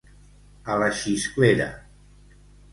A la xisclera.